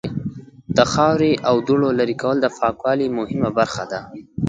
د خاورې او دوړو لرې کول د پاکوالی مهمه برخه ده.